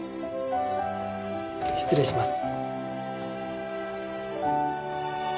失礼します。